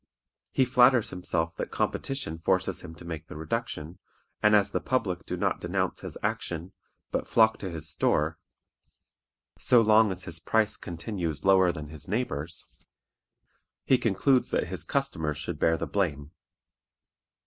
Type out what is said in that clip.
He flatters himself that competition forces him to make the reduction, and as the public do not denounce his action, but flock to his store so long as his price continues lower than his neighbor's, he concludes that his customers should bear the blame.